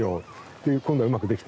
で今度はうまくできた。